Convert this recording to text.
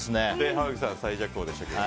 濱口さんが最弱王でしたけど。